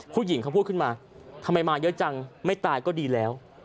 ผู้หญิงเขาพูดขึ้นมาทำไมมาเยอะจังไม่ตายก็ดีแล้ว